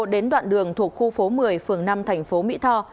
đến đoạn đường thuộc khu phố một mươi phường năm thành phố mỹ tho